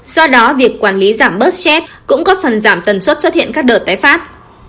do đó việc quản lý giảm bớt chip cũng góp phần giảm tần suất xuất hiện các đợt tái phát